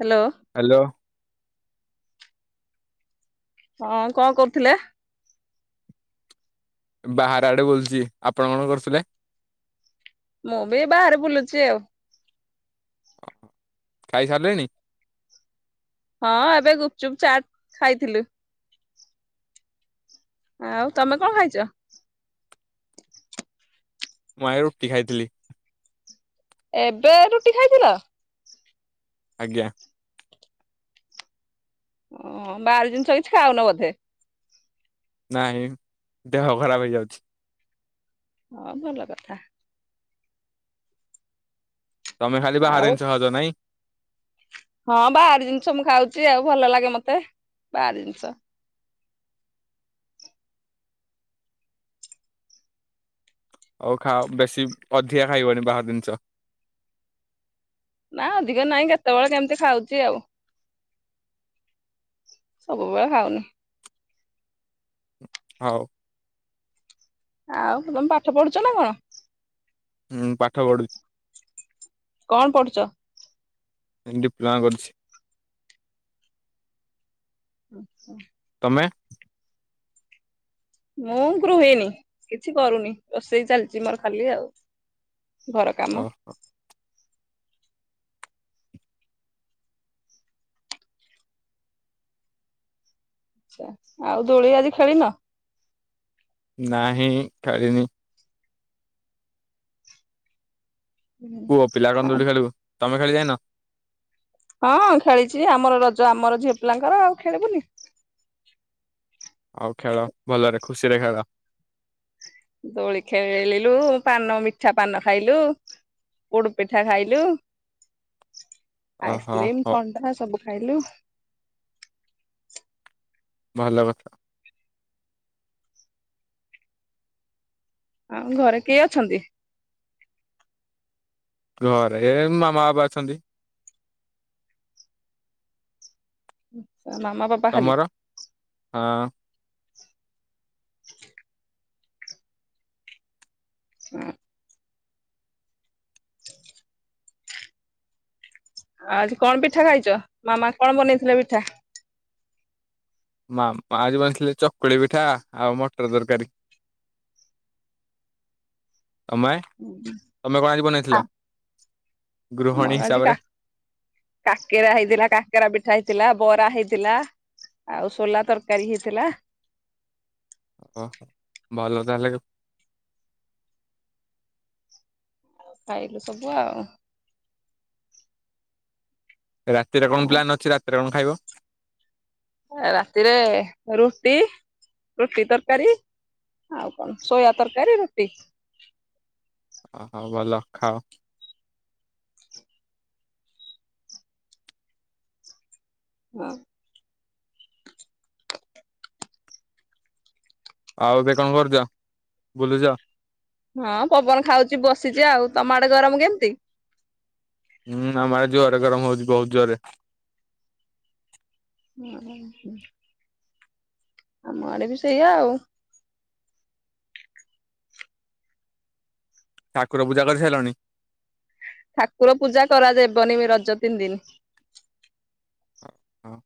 Hello hello ହଁ କଣ କରୁଥିଲେ? ବାହାର ଆଡେ ବୁଲୁଛି ଆପଣ କଣ କରୁଥିଲେ? ମୁଁ ବି ବାହାରେ ବୁଲୁଛି ଆଉ। ଓ ଖାଇସାରିଲେଣି। ହଁ ଏବେ ଗୁପଚୁପ ଚାଟ ଖାଇଥିଲୁ। ଆଉ ତମେ କଣ ଖାଇଛ? ମୁଁ ଆଜ୍ଞା ରୁଟି ଖାଇଥିଲି। ଏବେ ରୁଟି ଖାଇଥିଲ। ଆଜ୍ଞା ଓହ ବାହାର ଜିନିଷ କିଛି ଖାଉନ ବୋଧେ। ନାଇଁ ଦେହ ଖରାପ ହେଇଯାଉଛି। ହଁ ଭଲ କଥା। ତମେ ଖାଲି ବାହାର ଆଉ ଜିନିଷ ଖାଉଚ ନାଇଁ। ହଁ ବାହାର ଜିନିଷ ମୁଁ ଖାଉଛି ଆଉ ଭଲ ଲାଗେ ମତେ ବାହାର ଜିନିଷ। ହଉ ଖାଅ ବେଶୀ ଅଧିକା ଖାଇବନି ବାହାର ଜିନିଷ। ନା ଅଧିକ ନାହିଁ କେତେବେଳେ କେମିତି ଖାଉଛି ଆଉ। ସବୁବେଳେ ଖାଉନି। ହଉ। ଆଉ ତମେ ପାଠ ପଢୁଛ ନା କଣ? ହୁଁ ପାଠ ପଢୁଛି। କଣ ପଢୁଛ? ଏଇ ଡିପ୍ଲୋମା କରୁଛି। ଆଛା। ତମେ? ମୁଁ ଗୃହଣୀ କିଛି କରୁନି ରୋଷେଇ ଚାଲିଛି ମୋର ଖାଲି ଆଉ। ଘର କାମ। ଓ ଆଛା ଆଉ ଦୋଳି ଆଜି ଖେଳିନି। ନାହିଁ ଖେଳିନି। ପୁଅପିଲା କଣ ହୁଁ ଦୋଳି ଖେଳିବୁ ତମେ ଖେଳିଯାଇନ? ହଁ ଖେଳିଛି ଆମର ରଜ ଆମର ଝିଅ ପିଲାଙ୍କର ଆଉ ଖେଳିବୁନି। ହଉ ଖେଳ ଭଲରେ ଖୁସିରେ ଖେଳ। ଦୋଳି ଖେଳିଲୁ ପାନ ମିଠା ପାନ ଖାଇଲୁ। ପୋଡ ପିଠା ଖାଇଲୁ। ଓହୋ ଆଇସ୍କ୍ରିମ୍ ହୋ ଥଣ୍ଡା ସବୁ ଖାଇଲୁ। ଭଲ କରିଚୁ। ଆଉ ଘରେ କେଏ ଅଛନ୍ତି? ଘରେ ଏ ମାମା ବାପା ଅଛନ୍ତି। ଆଛା ମାମା ବାପା। ଖାଲି ତମର ହଁ? ହୁଁ। ଆଉଜି କଣ ପିଠା ଖାଇଛ ମାମା କଣ ବନେଇଥିଲେ ପିଠା? ମା ଯଉ ବ ଆଣିଥିଲେ ଚକୁଳି ପିଠା ଆଉ ମଟର ଦରକାରୀ। ତମେ ତମେ କଣ ଆଯି ବନେଇଥିଲ ଆମର ଗୃହଣୀ ଆଜି କା ହିସାବରେ? କାକେରା ହେଇଥିଲା କାକେରା ପିଠା ହେଇଥିଲା ବରା ହେଇଥିଲା ଆଉ ସୋଲା ତରକାରୀ ହେଇଥିଲା। ଓହୋ ଭଲ ତାହେଲେ। ଖାଇଲୁ ସବୁ ଆଉ। ରାତିରେ କଣ ପ୍ଲାନ୍ ଅଛି ରାତିରେ କଣ ଖାଇବ? ରାତିରେ ରୁଟି ରୁଟି ତରକାରୀ। ଆଉ କଣ ସୋୟା ତରକାରୀ ରୁଟି। ଓହୋ ଭଲ ଖାଅ। ହୁଁ। ଆଉ ଏବେ କଣ କରୁଛ ବୁଲୁଛ? ହଁ ପବନ ଖାଉଛି ବସିଛି ଆଉ ତମ ଆଡେ ଗରମ କେମିତି? ହୁଁ ଆମ ଆଡେ ଜୋର ଗରମ ହଉଛି ବହୁତ ଜୋରରେ। ହୁଁ ହୁଁ ଆମ ଆଡେ ବି ସେଇଆ ଆଉ। ଠାକୁର ପୂଜା କରିସାରିଲାଣି? ଠାକୁର ପୂଜା କରାଯାଇବନି ରଜ ତିନି ଦିନ। ହଁ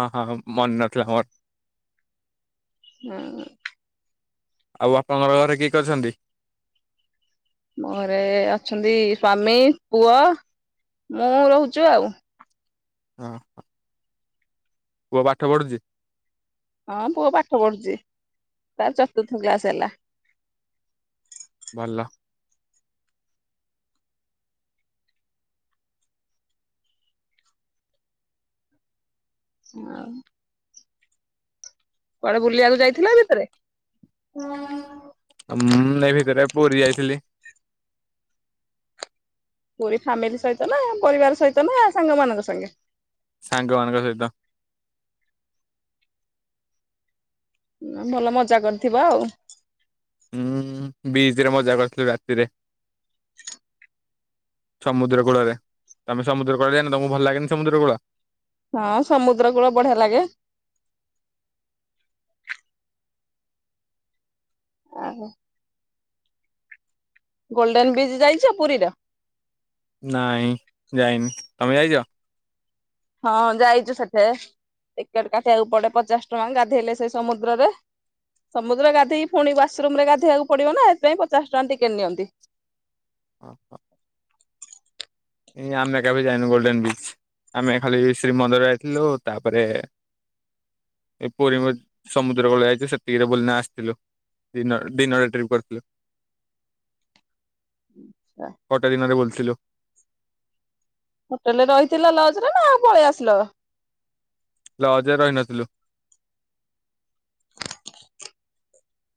ହଁ ହଁ ମନ ନଥିଲା ମୋର। ହୁଁ। ଆଉ ଆପଣଙ୍କର ଘରେ କିଏ କିଏ ଅଛନ୍ତି? ମୋରେ ଘରେ ଅଛନ୍ତି ସ୍ଵାମୀ ପୁଅ ମୁଁ ରହୁଛୁ ଆଉ। ହଁ ହ। ପୁଅ ପାଠ ପଢୁଛି? ହଁ ପୁଅ ପାଠ ପଢୁଛି ତାର ଚତୁର୍ଥ କ୍ଲାସ ହେଲା। ଭଲ। ହୁଁ ଆଉ କୁଆଡେ ବୁଲିଆକୁ ଯାଇଥିଲ ଆ ଭିତରେ? ଉଁ ଏଇ ଭିତରେ ପୁରୀ ଯାଇଥିଲି। ପୁରୀ ଫ୍ୟାମିଲି ସହିତ ନା ପରିବାର ସହିତ ନା ସାଙ୍ଗମାନଙ୍କ ସାଙ୍ଗେ? ସାଙ୍ଗମାନଙ୍କ ସହିତ। ହୁଁ ଆଉ ଭଲ ମଜା କରିଥିବ ଆଉ। ହୁଁ ବିଚ୍ ରେ ମଜା କରିଥିଲୁ ରାତିରେ। ସମୁଦ୍ର କୂଳରେ। ତମେ ସମୁଦ୍ର କୂଳ ଯାଇନ ତମୁକୁ ଭଲ ଲାଗେନି ସମୁଦ୍ର କୂଳ? ହଁ ସମୁଦ୍ର କୂଳ ବଢିଆ ଲାଗେ। ଆଉ ଗୋଲ୍ଡେନ ବିଚ୍ ଯାଇଚ ପୁରୀର? ନାଇଁ ଯାଇନି ତମେ ଯାଇଚ? ହଁ ଯାଇଚୁ ସେଠେ ଟିକେଟ୍ କାଟିଆକୁ ପଡେ ପଚାଶ ଟଙ୍କା ଗାଧେଇଲେ ସେଇ ସମୁଦ୍ରରେ। ସମୁଦ୍ର ଗାଧେଇକି ପୁଣି ୱାସରୁମ୍ ରେ ଗାଧେଇଆକୁ ପଡିବ ନା ଏଥିପାଇଁ ପଚାଶ ଟଙ୍କା ଟିକେଟ୍ ନିଅନ୍ତି। ଅହୋ। ଏଇ ଆମେ କୋବେ ଯାଇନୁ ଗୋଲ୍ଡେନ ବିଚ୍। ଆମେ ଖାଲି ଶ୍ରୀ ମନ୍ଦିର ଯାଇଥିଲୁ ତାପରେ ଏଇ ପୁରୀ ମ ସମୁଦ୍ର କୂଳ ଯାଇଚୁ ସେତିିକିରେ ବୁଲିନା ଆସଥିଲୁ। ଦିନରେ ଦିନରେ ଟ୍ରିପ୍ କରଥିଲୁ। ଗୋଟେ ଦିନରେ ବୁଲିଥିଲୁ। ହୋଟେଲ ରେ ରହିଥିଲ ଲଜ ରେ ନା ଆଉ ପଳେଇ ଆସିଲ? ଲଜ ରେ ରହିନଥିଲୁ।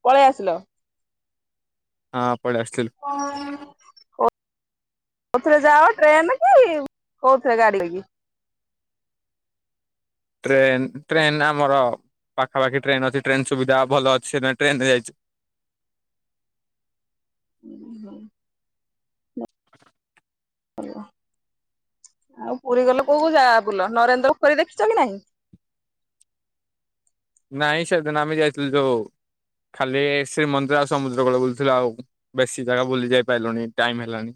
ପଳେଇ ଆସିଲ। ହଁ ପଳେଇ ଆସଥିଲୁ। କୋଉଥିରେ ଯାଅ ଟ୍ରେନ୍ କି କୋଉଥିରେ ଗାଡି କରିକି? ଟ୍ରେନ ଟ୍ରେନ ଆମର ପାଖା ପାଖି ଟ୍ରେନ ଅଛି ଟ୍ରେନ ସୁବିଧା ଭଲ ଅଛି ସେଥିପାଇଁ ଟ୍ରେନରେ ଯାଇଚୁ। ହୁଁ ହୁଁ। ଭଲ ଆଉ ପୁରୀ ଗଲେ କୋଉ କୋଉ ଜାଗା ବୁଲ ନରେନ୍ଦ୍ର ପୋଖରୀ ଦେଖିଚ କି ନାହିଁ? ନାଇଁ ସେଦିନ ଆମେ ଯାଇଥିଲୁ ଯୋଉ ଖାଲି ଶ୍ରୀ ମନ୍ଦିର ଆଉ ସମୁଦ୍ର କୂଳ ବୁଲୁଥିଲୁ ଆଉ ବେଶୀ ଜାଗା ବୁଲି ଯାଇ ପାରିଲୁନି ଟାଇମ ହେଲାନି।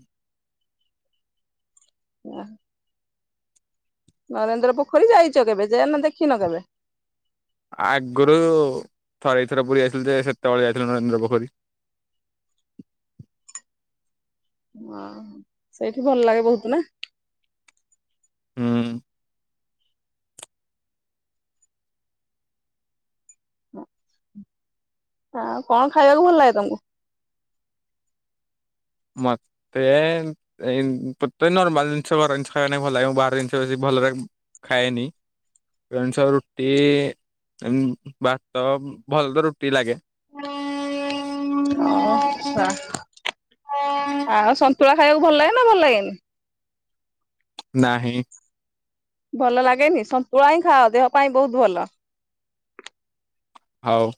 ଓହୋ। ନରେନ୍ଦ୍ର ପୋଖରୀ ଯାଇଚ କେବେ ଯା ନା ଦେଖିନ କେବେ? ଆଗୁରୁ ଥରେ ଦି ଥର ପୁରୀ ଯାଇଥିଲୁ ଯେ ସେତେବେଳେ ଯାଇଥିଲୁ ନରେନ୍ଦ୍ର ପୋଖରୀ। ଓହୋ ସେଇଠି ଭଲ ଲାଗେ ବହୁତ ନା? ହୁଁ। ଆଉ କଣ ଖାଇଆକୁ ଭଲ ଲାଗେ ତମୁକୁ? ମତେ ଏଇ ଉଁ ପତେ ନର୍ମାଲ ଜିନିଷ ଘର ଜିନିଷ ଖାଇଆ ନାଗି ଭଲ ଲାଗେ ମୁଁ ବାହାର ଜିନିଷ ବେଶୀ ଭଲ ଲା ଖାଏନି। ଜିନିଷ ରୁଟି ଉଁ ଭାତ ଭଲ ତ ରୁଟି ଲାଗେ। ଅ ଆଚ୍ଛା ଆଉ ସ ନ୍ତୁଳା ଖାଇଆକୁ ଭଲ ଲାଗେ ନା ଭଲ ଲାଗେନି? ନାହିଁ। ଭଲ ଲାଗେନି ସନ୍ତୁଳା ହିଁ ଖାଅ ଦେହ ପାଇଁ ବହୁତ ଭଲ। ହଉ।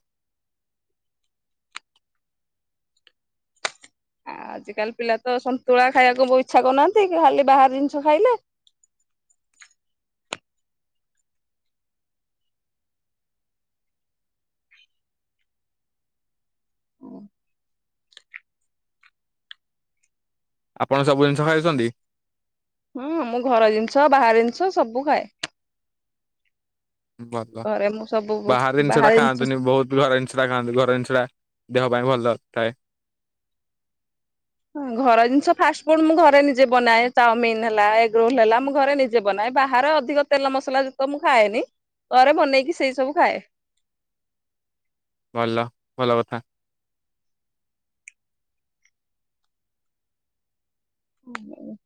ଆଜିିକାଲି ପିଲା ତ ସନ୍ତୁଳା ଖାଇଆକୁ ବହୁ ଇଚ୍ଛା କରୁନାହାନ୍ତି ଖାଲି ବାହାର ଜିନିଷ ଖାଇଲେ। ଆପଣ ସବୁ ଜିନିଷ ଖାଉଛନ୍ତି? ହୁଁ ମୁଁ ଘର ଜିନିଷ ବାହାର ଜିନିଷ ସବୁ ଖାଏ। ଭଲ ଘରେ ମୁଁ ସବୁ ବାହାର ଜିନିଷଟା ଖାଆନ୍ତୁନି ବହୁତ ଘର ଜିନିଷ ତୁଳା ଖାଆନ୍ତୁ ଘର ଜିନିଷଡ଼ା ଦେହ ପାଇଁ ଭଲ ଥାଏ ହୁଁ ଘର ଜିନିଷ ଫାଷ୍ଟ ଫୁଡ ମୁଁ ଘରେ ନିଜେ ବନାଏ ଚାଉମିନ ହେଲା ଏଗ ରୋଲ ହେଲା ମୁଁ ଘରେ ନିେ ଯବ ନା ବାହାରେ ଅଧିକ ତେଲ ମସଲାଯୁକ୍ତ ମୁଁ ଖାଏନି ପରେରେ ବନେଇକି ସେଇ ସବୁ ଖାଏ ଭଲ ଭଲ କଥା ହୁଁ ହ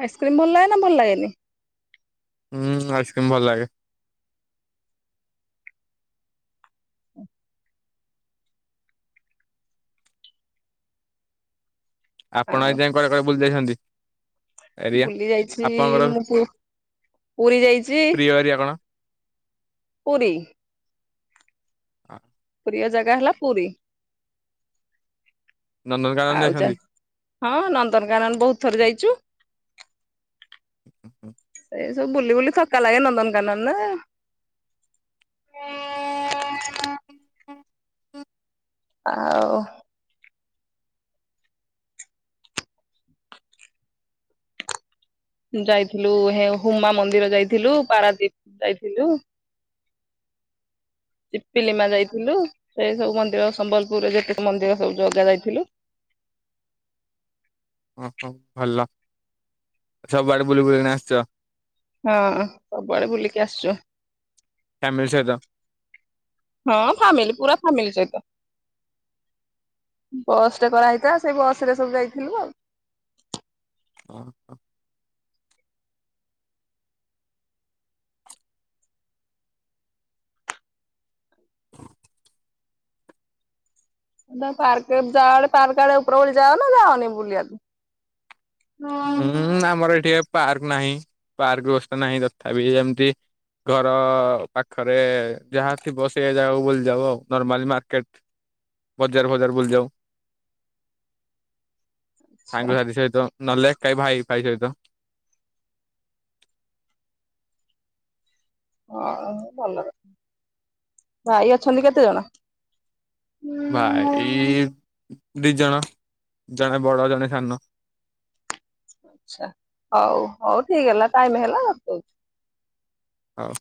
ଆଇସ୍କ୍ରିମ୍ ଭଲ ଲାଗେ ନା ଭଲ ଲାଗେନି ହୁଁ ଆଇସକ୍ରିମ୍ ଭଲ ଲାଗେ ଆପଣ ଆଉ ଆଜି ଯା କୁଆଡେ କୁଆଡେ ବୁଲି ଯାଇଛନ୍ତି ଏରିଆ ବୁଲି ଯାଇଛି ଆପଣଙ୍କର ମୁଁ ପୁରୀ ଯାଇଛି ପ୍ରିୟ ଏରିଆ କଣ ପୁରୀ ହଁ ପ୍ରିୟ ଜାଗା ହେଲା ପୁରୀ ନନ୍ଦନକାନନ ଆଉ ଯ ଯାଇଛନ୍ତି? ହଁ ନନ୍ଦନକାନନ ବହୁତ ଥର ଯାଇଛୁ ସେଇ ସବୁ ବୁଲି ବୁଲି ଥକା ଲାଗେ ନନ୍ଦନକାନନ ନା ଆଉ ଯାଇଥିଲୁ ହୁମା ମନ୍ଦିର ଯାଇଥିଲୁ ପାରାଦୀପ ଯାଇଥିଲୁ ଚିପିଲିମା ଯାଇଥିଲୁ ସେଇ ସବୁ ମନ୍ଦିର ସମ୍ବଲପୁରରେ ଯେତିେକ ମନ୍ଦିର ସବୁ ଜଗା ଯାଇଥିଲୁ ଓହୋ ଭଲ ସବୁଆଡେ ବୁଲି ବୁଲିକିନ ଆସିଛ ହଁ ସବୁବେଳେ ବୁଲିକି ଆସିଛୁ ଫେମିଲି ସହିତ ହଁ ଫାମିଲି ପୁରା ଫାମିଲି ସହିତ। ବସ୍ କରାହେଇଥିଲା ସେଇ ବସ ରେ ସବୁ ଯାଇଥିଲୁ ଆଉ। [unintelligible] ଦ ପାର୍କ ଯାଆଡେ ପାର୍କ ଆଡେ ଉପର ବଳି ଯାଅ ନା ଯାଅନି ବୁଲିଆକୁ। ହଁ। ହୁଁ ଆମର ଏଠି ପାର୍କ ନାହିଁ ପାର୍କ ବ୍ୟବସ୍ଥା ନାହିଁ ତଥାପି ଯେମିତି ଘର ପାଖରେ ଯାହା ଥିବ ସେ ଜାଗାକୁ ବୁଲି ଦବ ଆଉ ନର୍ମାଲି ମାର୍କେଟ। ବଜାର ଭଜାର ବୁଲିଯାଉ। ସାଙ୍ଗସାଥି ସହିତ ନହେଲେ କେହି ଭାଇ ଫାଇ ସହିତ। ହଁ ଭଲ ଭାଇ ଅଛନ୍ତି କେତେ ଜଣ? ଭାଇ ଦି ଜଣ ଜଣେ ବଡ ଜଣେ ସାନ। ଆଛା ହଉ ହଉ ଠିକ ହେଲା ଟାଇମ ହେଲା ହଉ। ହଉ।